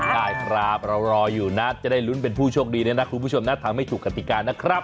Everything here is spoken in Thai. ได้ครับเรารออยู่นะจะได้ลุ้นเป็นผู้โชคดีเนี่ยนะคุณผู้ชมนะทำให้ถูกกติกานะครับ